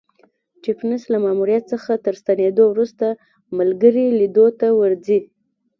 سټېفنس له ماموریت څخه تر ستنېدو وروسته ملګري لیدو ته ورځي.